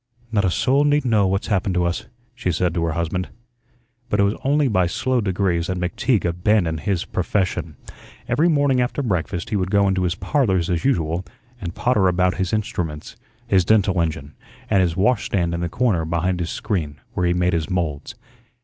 "Not a soul need know what's happened to us," she said to her husband. But it was only by slow degrees that McTeague abandoned his profession. Every morning after breakfast he would go into his "Parlors" as usual and potter about his instruments, his dental engine, and his washstand in the corner behind his screen where he made his moulds.